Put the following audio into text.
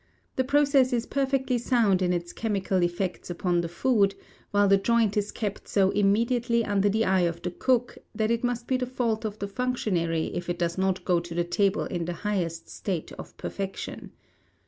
The process is perfectly sound in its chemical effects upon the food, while the joint is kept so immediately under the eye of the cook, that it must be the fault of that functionary if it does not go to the table in the highest state of perfection.